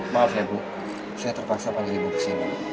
maaf ya bu saya terpaksa panggil ibu ke sini